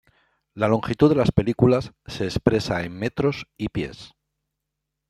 La longitud de las películas se expresa en metros y pies.